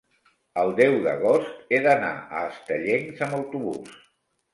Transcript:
El deu d'agost he d'anar a Estellencs amb autobús.